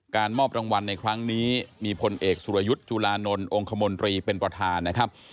มอบรางวัลในครั้งนี้มีพลเอกสุรยุทธ์จุลานนท์องค์คมนตรีเป็นประธานนะครับ